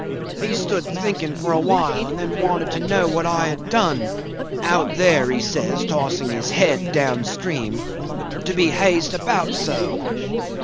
He stood thinking for a while and then wanted to know what I had done ['out there' he says, tossing his head down stream) to be hazed about so.